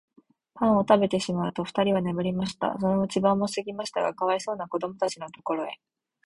パンをたべてしまうと、ふたりは眠りました。そのうちに晩もすぎましたが、かわいそうなこどもたちのところへ、